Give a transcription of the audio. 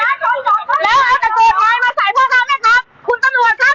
พี่น้องพี่น้องศาสตร์ส่วนบัตรอย่าอย่าหลบเชื่อในความในการให้จนแพงในการทำความถึงเรื่องประเทศ